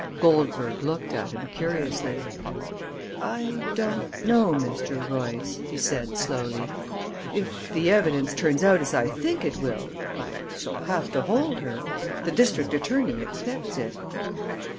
Goldberg looked at him curiously. "I don't know, Mr. Royce," he said slowly. "If the evidence turns out as I think it will, I shall have to hold her the district attorney expects it."